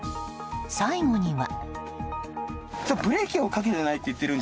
最後には。